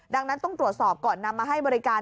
ดังนั้นต้องตรวจสอบก่อนนำมาให้บริการ